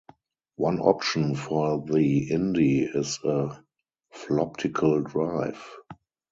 One option for the Indy is a floptical drive.